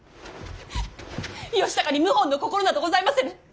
義高に謀反の心などございませぬ。